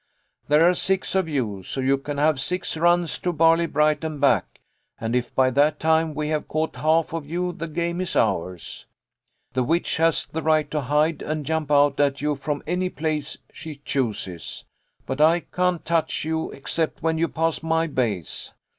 There are six of you, so you can have six runs to Barley bright and back, and if by that time we have caught half of you the game is ours. The witch has the right to hide and jump out at you from any place she chooses, but I can't touch you except when you pass my base.